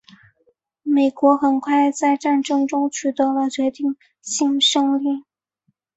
美国很快在战争中取得了决定性胜利。